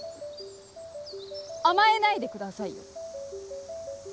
甘えないでくださいよ。